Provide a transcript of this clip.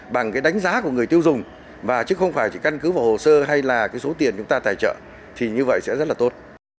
bằng cái đánh giá của người tiêu dùng và chứ không phải chỉ căn cứ vào hồ sơ hay là cái số tiền chúng ta tài trợ thì như vậy sẽ rất là tốt